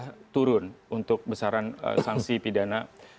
bisa turun untuk besaran sanksi pidana